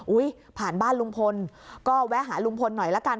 ผ่านบ้านลุงพลก็แวะหาลุงพลหน่อยละกัน